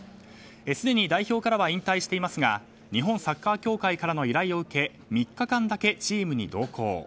すでに代表からは引退していますが日本サッカー協会からの依頼を受け３日間だけチームに同行。